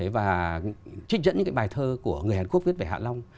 và trích dẫn những cái bài thơ của người hàn quốc viết về hạ long